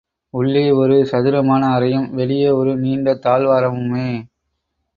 உள்ளே ஒரு சதுரமான அறையும் வெளியே ஒரு நீண்ட தாழ்வாரமுமே.